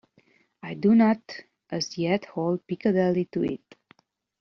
I do not as yet hold pigheadedly to it.